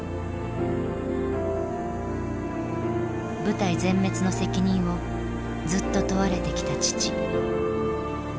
部隊全滅の責任をずっと問われてきた父。